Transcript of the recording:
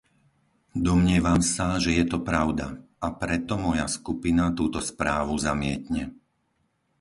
Domnievam sa, že je to pravda, a preto moja skupina túto správu zamietne.